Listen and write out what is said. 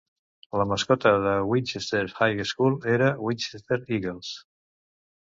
La mascota de Winchester High School era Winchester Eagles.